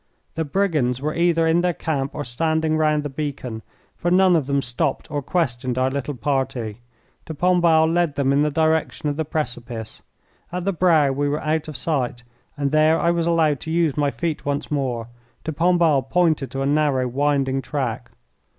The brigands were either in their camp or standing round the beacon, for none of them stopped or questioned our little party. De Pombal led them in the direction of the precipice. At the brow we were out of sight, and there I was allowed to use my feet once more. De Pombal pointed to a narrow, winding track.